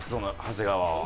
長谷川は。